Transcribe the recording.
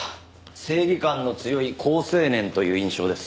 正義感の強い好青年という印象です。